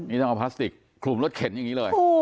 นี่ต้องเอาพลาสติกคลุมรถเข็นอย่างนี้เลย